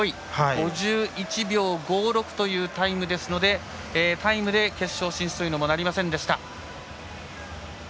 ５１秒５６というタイムですのでタイムで決勝進出というのもなりませんでした。